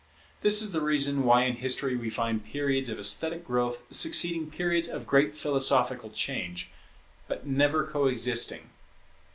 This is the reason why in history we find periods of esthetic growth succeeding periods of great philosophical change, but never co existing.